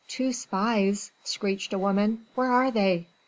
Two spies?" screeched a woman. "Where are they?"